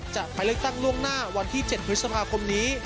จะไปเลือกตั้งล่วงหน้าวันที่๗พฤษภาคมนี้